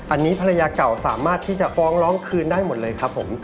อันนี้ภรรยาเก่าสามารถที่จะฟ้องร้องคืนได้หมดเลยครับผม